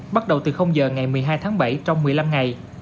bắt đầu từ giờ ngày một mươi hai tháng bảy trong một mươi năm ngày